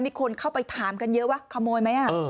มีคนเข้าไปถามกันเยอะว่าขโมยไหม